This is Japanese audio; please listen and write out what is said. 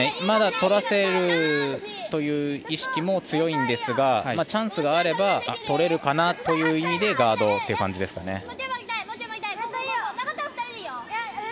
まだ取らせるという意識も強いんですがチャンスがあれば取れるかなという意味でガードという感じですかね。